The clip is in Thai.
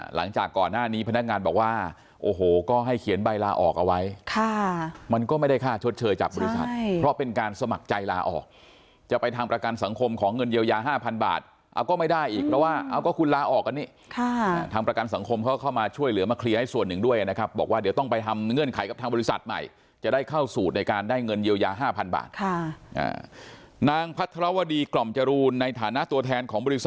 หลังจากก่อนหน้านี้พนักงานบอกว่าโอ้โหก็ให้เขียนใบลาออกเอาไว้มันก็ไม่ได้ค่าชดเชยจากบริษัทเพราะเป็นการสมัครใจลาออกจะไปทางประการสังคมของเงินเยียวยา๕๐๐๐บาทเอาก็ไม่ได้อีกเพราะว่าเอาก็คุณลาออกอันนี้ทางประการสังคมเขาเข้ามาช่วยเหลือมาเคลียร์ให้ส่วนหนึ่งด้วยนะครับบอกว่าเดี๋ยวต้องไปทำเ